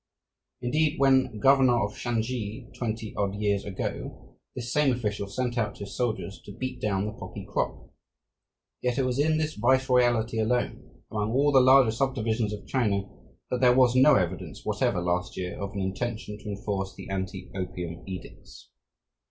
Indeed, when governor of Shansi, twenty odd years ago, this same official sent out his soldiers to beat down the poppy crop. Yet it was in this viceroyalty alone, among all the larger subdivisions of China, that there was no evidence whatever last year of an intention to enforce the anti opium edicts.